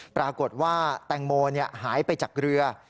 ปรากฏว่าแตงโมหายไปจากเรือ